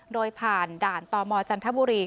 โดยผ่านด่านตมจันทบุรี